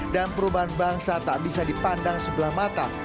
dan perubahan bangsa tak bisa dipandang sebelah mata